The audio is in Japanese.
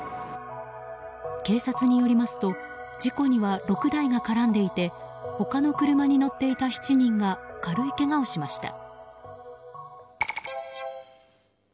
警察によりますと事故には６台が絡んでいて他の車に乗っていた７人が軽いけがをしました。